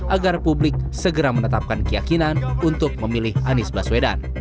agar publik segera menetapkan keyakinan untuk memilih anies baswedan